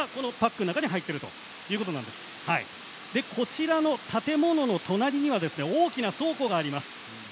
こちらの建物の隣には大きな倉庫があります。